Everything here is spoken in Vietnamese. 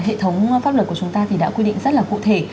hệ thống pháp luật của chúng ta thì đã quy định rất là cụ thể